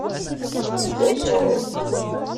Telluẓeḍ?